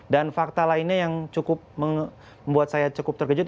dan fakta lainnya yang cukup membuat saya cukup terkejut